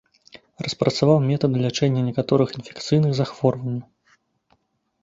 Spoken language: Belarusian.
Распрацаваў метады лячэння некаторых інфекцыйных захворванняў.